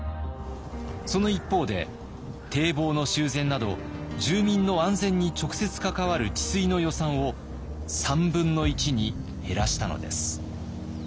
その一方で堤防の修繕など住民の安全に直接関わる治水の予算を３分の１に減らしたのです。